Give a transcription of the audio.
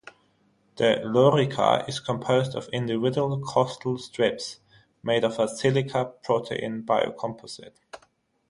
The lorica is composed of individual costal strips, made of a silica-protein biocomposite.